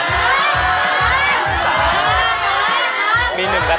ไม่ไหวครับมี๑กับ๓